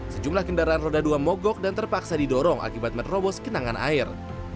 sejumlah kendaraan roda dua mogok dan terpaksa didorong akibat menerobos kenangan air